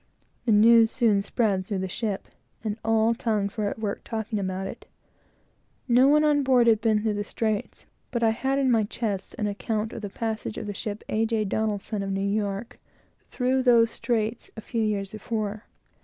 The news soon spread through the ship, and all tongues were at work, talking about it. No one on board had been through the straits, but I had in my chest an account of the passage of the ship A. J. Donelson, of New York, through those straits, a few years before.